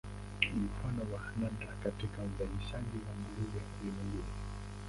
Ni mfano wa nadra katika uzalishaji wa nguruwe ulimwenguni.